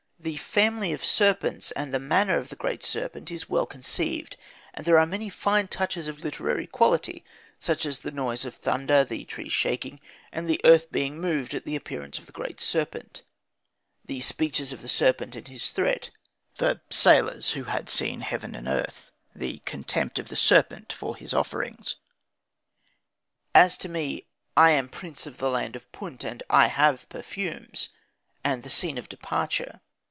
The family of serpents and the manner of the great serpent is well conceived, and there are many fine touches of literary quality: such as noise as of thunder, the trees shaking and the earth being moved at the appearance of the great serpent the speeches of the serpent and his threat the sailors who had seen heaven and earth the contempt of the serpent for his offerings. "As for me, I am prince of the land of Punt, and I have perfumes" and the scene of departure.